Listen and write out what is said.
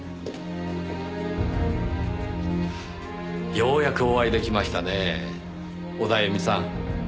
ようやくお会いできましたねぇオダエミさん。